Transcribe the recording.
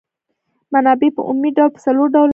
منابع په عمومي ډول په څلور ډوله دي.